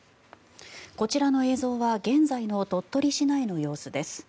こちらの映像は現在の鳥取市内の様子です。